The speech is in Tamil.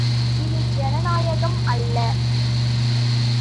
இது ஜனநாயகம் அல்ல!